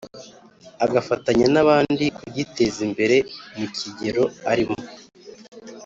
agafatanya n'abandi kugiteza imbere mu kigero arimo